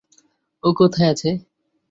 ও কোথায় আছে?